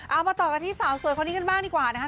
เอามาต่อกันที่สาวสวยคนนี้กันบ้างดีกว่านะคะ